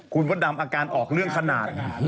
คุณมดดำอาการออกเรื่องขนาด